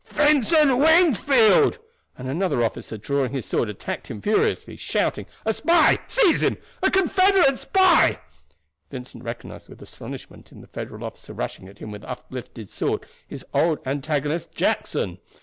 "Vincent Wingfield!" and another officer drawing his sword attacked him furiously, shouting, "A spy! Seize him! A Confederate spy!" Vincent recognized with astonishment in the Federal officer rushing at him with uplifted sword his old antagonist, Jackson.